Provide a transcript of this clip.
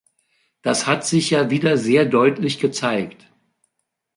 Das hat sich ja wieder sehr deutlich gezeigt.